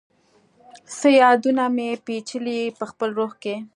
څه یادونه مي، پیچلي پخپل روح کي